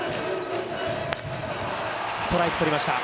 ストライクとりました。